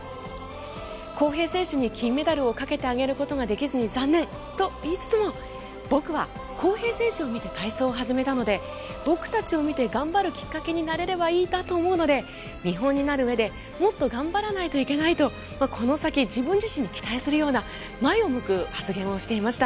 航平選手に金メダルをかけてあげることができずに残念と言いつつも僕は航平選手を見て体操を始めたので僕たちを見て頑張るきっかけになれればいいなと思うので見本になるうえでもっと頑張らないといけないとこの先、自分自身に期待するような前を向く発言をしていました。